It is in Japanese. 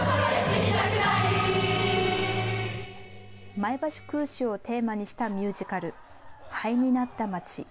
前橋空襲をテーマにしたミュージカル、灰になった街。